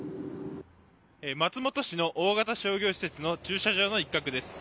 松本市の大型商業施設の駐車場の一角です。